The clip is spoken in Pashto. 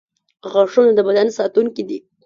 • غاښونه د بدن ساتونکي دي.